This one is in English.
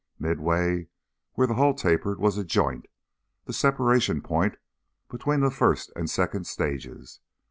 Midway where the hull tapered was a joint, the separation point between the first and second stages.